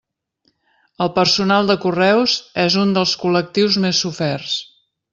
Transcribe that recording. El personal de correus és un dels col·lectius més soferts.